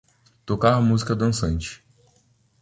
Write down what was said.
Tocar música dançante